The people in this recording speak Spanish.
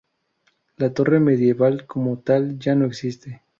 La torre medieval, como tal, ya no existe.